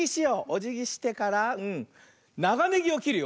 おじぎしてからながねぎをきるよ。